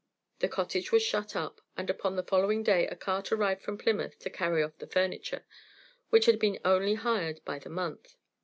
The cottage was shut up, and upon the following day a cart arrived from Plymouth to carry off the furniture, which had been only hired by the month.